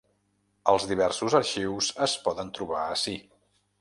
Els diversos arxius es poden trobar ací.